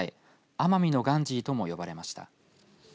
奄美のガンジーとも呼ばれました。